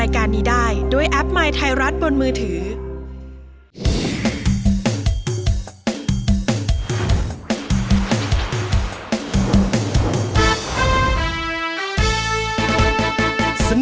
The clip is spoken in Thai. คุณล่ะโหลดหรือยัง